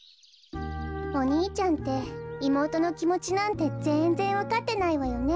お兄ちゃんっていもうとのきもちなんてぜんぜんわかってないわよね。